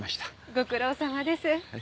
ご苦労さまです。